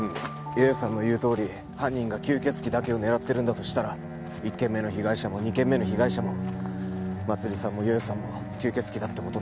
よよさんの言うとおり犯人が吸血鬼だけを狙ってるんだとしたら１件目の被害者も２件目の被害者もまつりさんもよよさんも吸血鬼だって事になるよね。